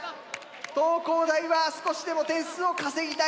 東工大は少しでも点数を稼ぎたい！